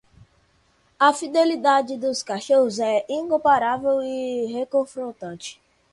A fidelidade dos cachorros é incomparável e reconfortante.